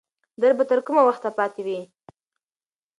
درد به تر کومه وخته پاتې وي؟